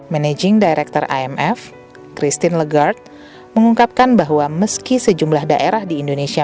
managing director imf christine legard mengungkapkan bahwa meski sejumlah daerah di indonesia